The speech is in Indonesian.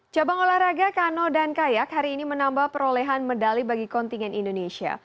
cabang olahraga kano dan kayak hari ini menambah perolehan medali bagi kontingen indonesia